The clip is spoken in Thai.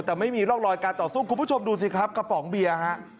แต่ไม่มีร่องรอยการต่อสู้คุณผู้ชมดูสิครับกระป๋องเบียร์ฮะ